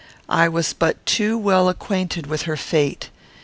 I was but too well acquainted with her fate.